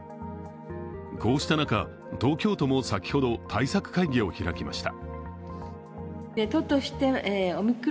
こうした中、東京都も先ほど対策会議を開きました。